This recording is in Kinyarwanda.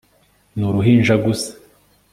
ni uruhinja gusa